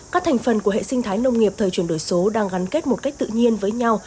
các thành phần của hệ sinh thái nông nghiệp thời chuyển đổi số đang gắn kết một cách tự nhiên với nhau